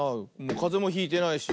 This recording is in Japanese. かぜもひいてないし。